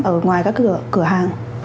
ở ngoài các cửa hàng